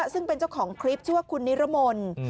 ซึ่งเป็นเจ้าของคลิปชื่อว่าคุณนิรมนต์